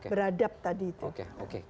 beradab tadi itu oke